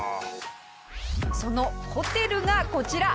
そのホテルがこちら！